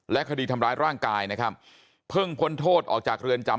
คดีทำร้ายร่างกายนะครับเพิ่งพ้นโทษออกจากเรือนจำ